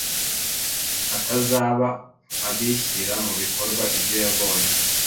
atazaba abishyira mubikorwa ibyo yabonye